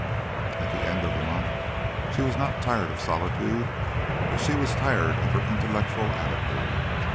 At the end of the month she was not tired of solitude, but she was tired of her intellectual attitude.